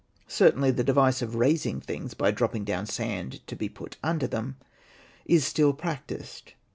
Certainly the device of raising things by dropping down sand to be put under them is still practised.